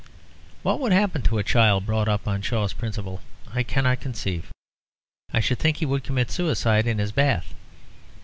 What would happen to a child brought up on Shaw's principle I cannot conceive; I should think he would commit suicide in his bath.